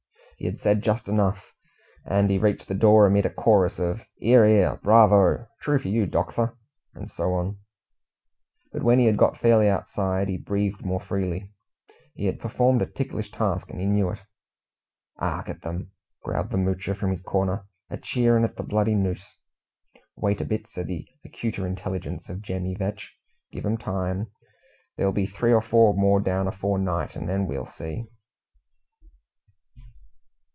He had said just enough, and he reached the door amid a chorus of "'Ear, 'ear!" "Bravo!" "True for you, docther!" and so on. But when he got fairly outside, he breathed more freely. He had performed a ticklish task, and he knew it. "'Ark at 'em," growled the Moocher from his corner, "a cheerin' at the bloody noos!" "Wait a bit," said the acuter intelligence of Jemmy Vetch. "Give 'em time. There'll be three or four more down afore night, and then we'll see!"